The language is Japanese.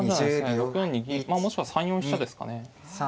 ６四にもしくは３四飛車ですかね。